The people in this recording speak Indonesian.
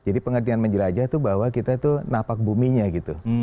jadi pengertian menjelajah itu bahwa kita tuh napak bumi nya gitu